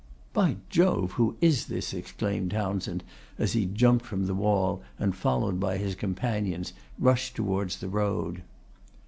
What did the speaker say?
'By Jove! who is this?' exclaimed Townshend, and he jumped from the wall, and, followed by his companions, rushed towards the road.